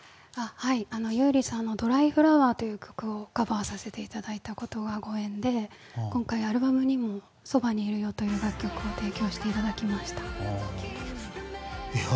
優里さんの「ドライフラワー」という曲をカバーさせていただいたことがご縁で今回、アルバムにも「そばにいるよ」という楽曲を提供していただきました。